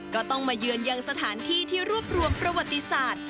ก็ต้องมาเยือนยังสถานที่ที่รวบรวมประวัติศาสตร์